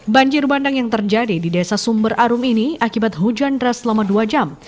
banjir bandang yang terjadi di desa sumber arum ini akibat hujan deras selama dua jam